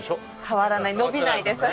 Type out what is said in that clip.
変わらない伸びないです。